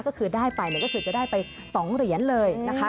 ก็คือได้ไปก็คือจะได้ไป๒เหรียญเลยนะคะ